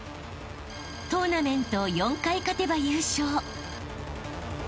［トーナメントを４回勝てば優勝］